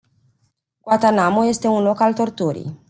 Guantánamo este un loc al torturii.